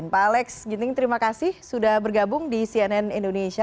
pak alex ginting terima kasih sudah bergabung di cnn indonesia